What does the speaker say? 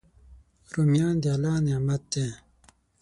رومیان د الله نعمت دی